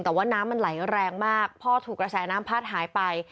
แต่ว่าน้ำมันไหลแรงมากพ่อถูกกระแสน้ำพัดหายไป